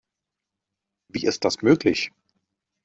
Wie ist das möglich?